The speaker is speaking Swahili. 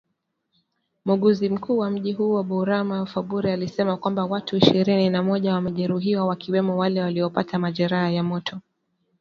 Muuguzi mkuu wa mji huo Bourama Faboure alisema kwamba watu ishirini na moja wamejeruhiwa wakiwemo wale waliopata majeraha ya moto